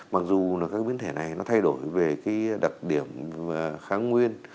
mặc dù là các biến thể này nó thay đổi về cái đặc điểm kháng nguyên